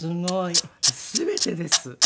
全てです。